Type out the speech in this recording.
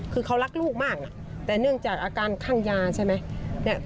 คือเขารักลูกมากแต่เนื่องจากอาการข้างยาใช่ไหม